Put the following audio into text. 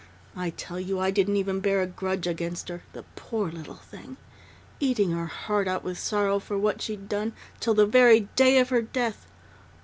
I tell you I didn't even bear a grudge against her the poor little thing! Eating her heart out with sorrow for what she'd done till the very day of her death!